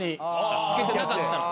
付けてなかったら。